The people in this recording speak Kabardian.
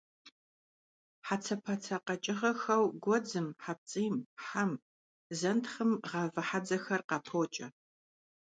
Хьэцэпэцэ къэкӀыгъэхэу гуэдзым, хьэпцӀийм, хъэм, зентхъым гъавэ хьэдзэхэр къапокӀэ.